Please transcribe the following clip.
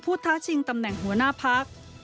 ท้าชิงตำแหน่งหัวหน้าพัก